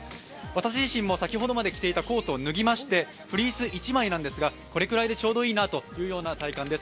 私自身も先ほどまで着ていたコートを脱ぎましてフリース１枚なんですが、これくらいでちょうどいいなというような体感です。